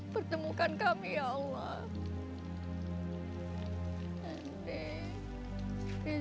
pertemukan kami ya allah